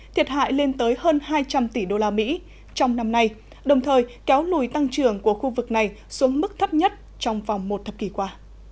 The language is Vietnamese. thiệt hại lên tới hơn hai trăm linh tỷ đô la mỹ trong năm nay đồng thời kéo nùi tăng trưởng của khu vực này xuống mức thấp nhất trong vòng một thập kỷ qua